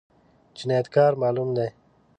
جنايتکاران معلوم دي؟